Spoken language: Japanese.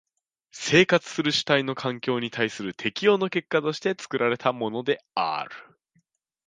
生活する主体の環境に対する適応の結果として作られたものである。